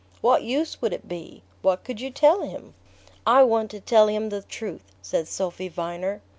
"What use would it be? What could you tell him?" "I want to tell him the truth," said Sophy Viner.